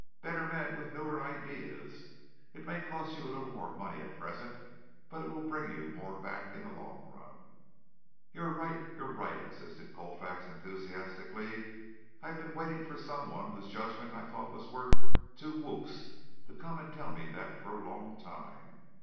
"Better men with newer ideas. It may cost you a little more money at present, but it will bring you more back in the long run." "You're right! You're right!" insisted Colfax enthusiastically. "I've been waiting for someone whose judgment I thought was worth two whoops to come and tell me that for a long time.